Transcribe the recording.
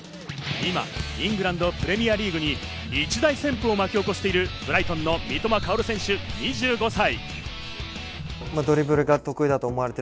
今、イングランド・プレミアリーグに一大旋風を巻き起こしている、ブライトンの三笘薫選手、２５歳。